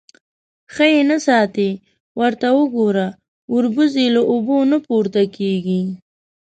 _ښه يې نه ساتې. ورته وګوره، وربوز يې له اوبو نه پورته کېږي.